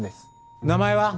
名前は？